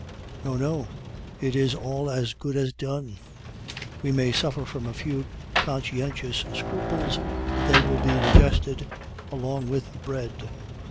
... No, no, it is all as good as done! We may suffer from a few conscientious scruples, but they will be digested along with the bread.